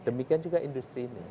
demikian juga industri ini